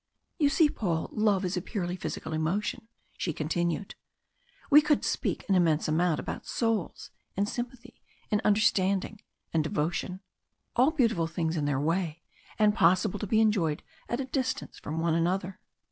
"You see, Paul, love is a purely physical emotion," she continued. "We could speak an immense amount about souls, and sympathy, and understanding, and devotion. All beautiful things in their way, and possible to be enjoyed at a distance from one another.